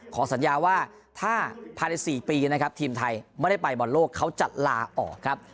สัญญาว่าถ้าภายใน๔ปีนะครับทีมไทยไม่ได้ไปบอลโลกเขาจะลาออกครับ